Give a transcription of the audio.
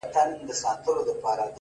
منم د قاف د شاپېريو حُسن!!